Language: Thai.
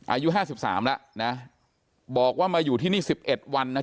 อายุห้าสิบสามแล้วนะบอกว่ามาอยู่ที่นี่สิบเอ็ดวันนะ